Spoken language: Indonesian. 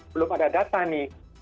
belum ada data nih